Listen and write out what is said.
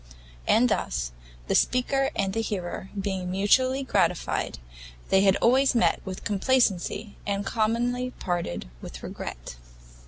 And thus, the speaker and the hearer being mutually gratified, they had always met with complacency, and commonly parted with regret.